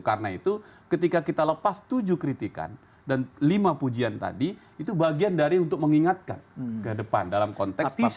karena itu ketika kita lepas tujuh kritikan dan lima pujian tadi itu bagian dari untuk mengingatkan ke depan dalam konteks pasca demokra